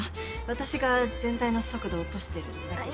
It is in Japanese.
私が全体の速度落としてるんだけど。